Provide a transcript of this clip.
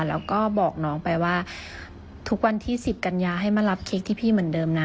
แล้วก็บอกน้องไปว่าทุกวันที่๑๐กันยาให้มารับเค้กที่พี่เหมือนเดิมนะ